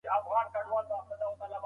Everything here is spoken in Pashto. د سندیکاوو رول په کار کي مهم دی.